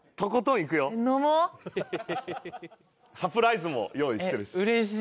サプライズも用意してるし。